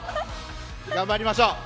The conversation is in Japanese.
頑張りましょう。